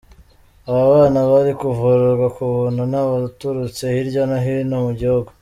Aba bana bari kuvurwa ku buntu ni abaturutse hirya no hino mu gihugu.